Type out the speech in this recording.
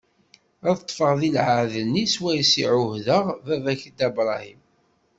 Ad ṭṭfeɣ di lɛehd-nni swayes i ɛuhdeɣ baba-k Dda Bṛahim.